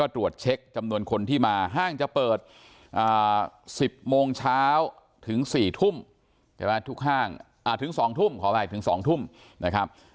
ถึง๒ทุ่มขอแปลกถึง๒ทุ่มนะครับ